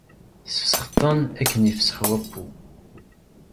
Tesfesxeḍ-ten akken ifessex wabbu.